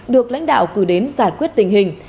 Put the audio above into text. được lãnh đạo cử đến giải quyết tình hình